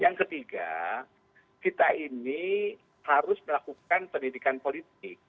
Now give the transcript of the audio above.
yang ketiga kita ini harus melakukan pendidikan politik